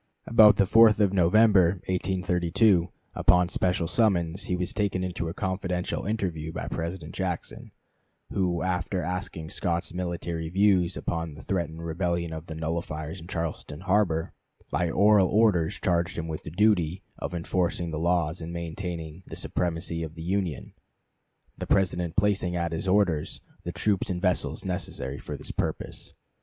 About the 4th of November, 1832, upon special summons, he was taken into a confidential interview by President Jackson, who, after asking Scott's military views upon the threatened rebellion of the nullifiers in Charleston harbor, by oral orders charged him with the duty of enforcing the laws and maintaining the supremacy of the Union; the President placing at his orders the troops and vessels necessary for this purpose.